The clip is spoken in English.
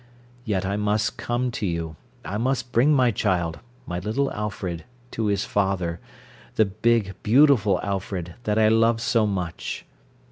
Yet I must come to you, I must bring my child, my little Alfred, to his father, the big, beautiful Alfred that I love so much.